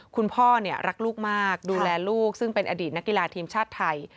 พ่อรักลูกมากดูแลลูกซึ่งเป็นอดีตนักกีฬาทีมชาติไทย